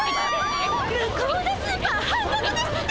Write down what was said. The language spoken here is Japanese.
向こうのスーパー半額ですって！